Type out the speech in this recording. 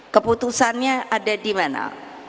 keputusannya ada di mana